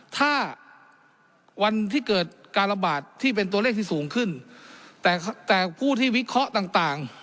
ถ้าวันที่เกิดการระบาดที่เป็นตัวเลขที่สูงขึ้นแต่แต่ผู้ที่วิเคราะห์ต่างต่าง